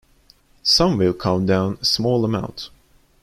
Some will come down a small amount.